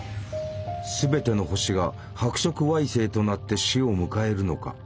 全ての星が白色矮星となって死を迎えるのか？